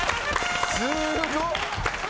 すごっ！」